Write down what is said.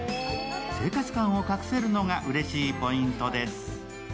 生活感を隠せるのがうれしいポイントです。